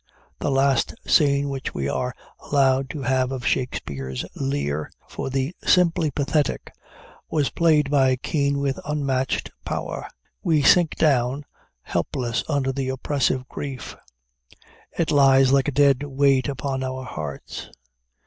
The last scene which we are allowed to have of Shakspeare's Lear, for the simply pathetic, was played by Kean with unmatched power. We sink down helpless under the oppressive grief. It lies like a dead weight upon our hearts.